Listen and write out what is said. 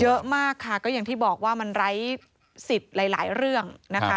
เยอะมากค่ะก็อย่างที่บอกว่ามันไร้สิทธิ์หลายเรื่องนะคะ